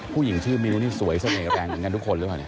ผู้หญิงชื่อมีนุนี่สวยเสน่ห์กับแปลงเหมือนกันทุกคน